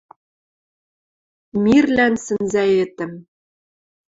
Мирлӓн сӹнзӓэтӹм.